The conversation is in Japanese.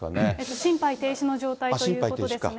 心肺停止の状態ということですね。